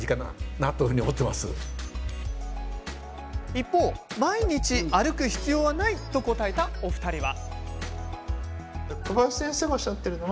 一方、毎日歩く必要はないと答えたお二人は。